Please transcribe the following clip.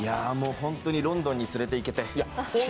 本当にロンドンに連れて行けて。